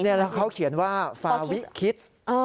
แล้วเขาเขียนว่าฟาวิคิส